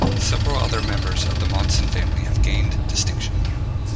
Several other members of the Monson family have gained distinction.